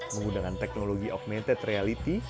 menggunakan teknologi augmented reality